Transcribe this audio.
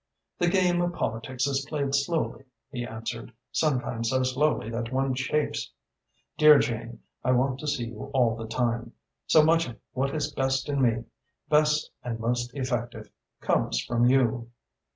"The game of politics is played slowly," he answered, "sometimes so slowly that one chafes. Dear Jane, I want to see you all the time. So much of what is best in me, best and most effective, comes from you."